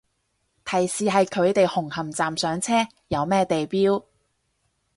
提示係佢哋紅磡站上車，有咩地標